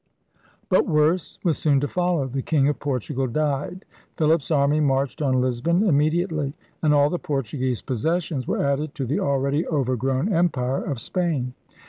But worse was soon to follow. The king of Portugal died. Philip's army marched on Lisbon immediately, and all the Portuguese possessions were added to the already overgrown empire of Spain.